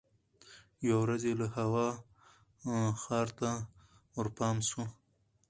یوه ورځ یې له هوا ښار ته ورپام سو